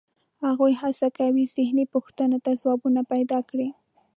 هغوی هڅه کوي ذهني پوښتنو ته ځوابونه پیدا کړي.